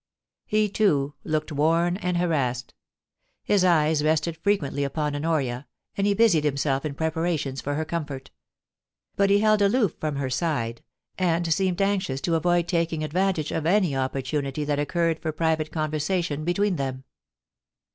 He, too, looked worn and harassed ; his eyes rested fre quently upon Honoria, and he busied himself in preparations for her comfort; but he held aloof from her side, and seemed anxious to avoid taking advantage of any oppor tunity that occurred for private conversation between them.